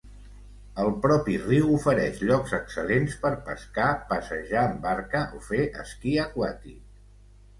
El propi riu ofereix llocs excel·lents per pescar, passejar en barca o fer esquí aquàtic.